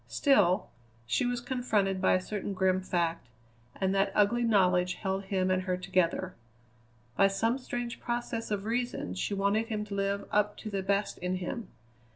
Still, she was confronted by a certain grim fact, and that ugly knowledge held him and her together. By some strange process of reason she wanted him to live up to the best in him.